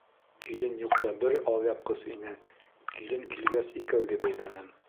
Килен юҡта бер алъяпҡыс ине, килен килгәс, икәүҙе бәйләнем.